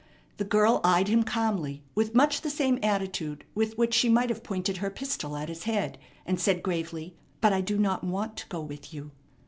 The girl eyed him calmly with much the same attitude with which she might have pointed her pistol at his head, and said gravely, "But I do not want to go with you."